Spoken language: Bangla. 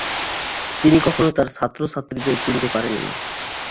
তিনি কখনো তাঁর ছাত্র-ছাত্রীদের চিনতে পারেন না।